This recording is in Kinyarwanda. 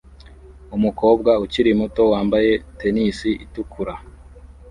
Umukobwa ukiri muto wambaye tennis itukura